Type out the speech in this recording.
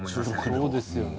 そうですよね。